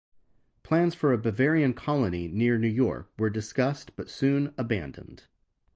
Plans for a Bavarian colony near New York were discussed but soon abandoned.